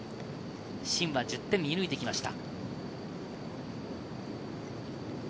シンは１０点を射抜いてきました。